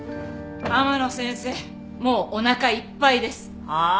天野先生もうおなかいっぱいです。はあ？